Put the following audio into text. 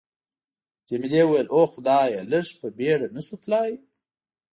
جميلې وويل:: اوه خدایه، لږ په بېړه نه شو تللای؟